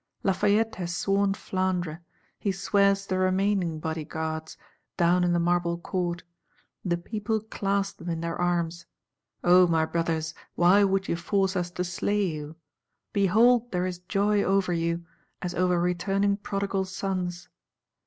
Lafayette has sworn Flandre; he swears the remaining Bodyguards, down in the Marble Court; the people clasp them in their arms:—O, my brothers, why would ye force us to slay you? Behold there is joy over you, as over returning prodigal sons!